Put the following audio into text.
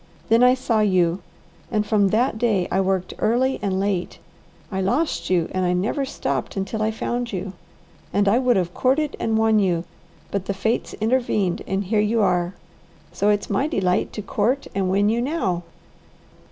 Then I saw you, and from that day I worked early and late. I lost you and I never stopped until I found you; and I would have courted and won you, but the fates intervened and here you are! So it's my delight to court and win you now.